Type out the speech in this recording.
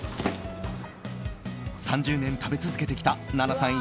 ３０年食べ続けてきた奈々さん